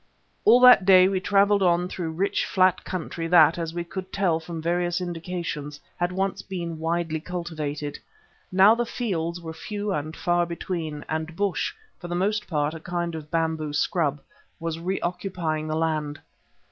All that day we travelled on through a rich, flat country that, as we could tell from various indications, had once been widely cultivated. Now the fields were few and far between, and bush, for the most part a kind of bamboo scrub, was reoccupying the land.